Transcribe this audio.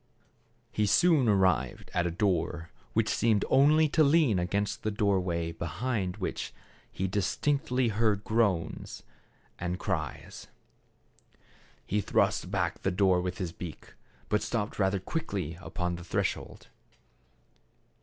He soon arrived at a door, which seemed only to lean against the door way behind which he distinctly heard groans and 98 THE CARAVAN. cries. He thrust back the door with his beak, but stopped rather quickly upon the threshold.